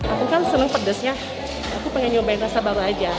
aku kan seneng pedesnya aku pengen nyobain rasa baru aja